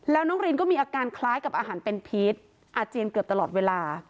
แล้วน้องรินก็มีอาการคล้ายกับอาหารเป็นพีชอาเจียนเกือบตลอดเวลา